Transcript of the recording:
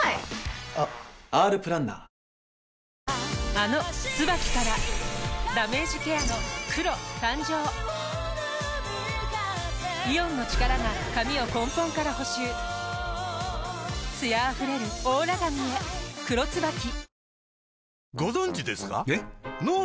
あの「ＴＳＵＢＡＫＩ」からダメージケアの黒誕生イオンの力が髪を根本から補修艶あふれるオーラ髪へ「黒ＴＳＵＢＡＫＩ」